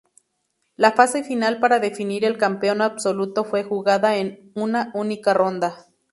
La Fase Final para definir el campeón absoluto fue jugada en una única ronda.